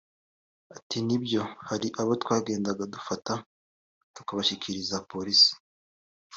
Ati “Nibyo hari abo twagendaga dufata tukabashyikiriza polisi